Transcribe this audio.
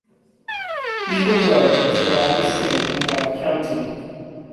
Eagle Grove is the largest city in Wright County.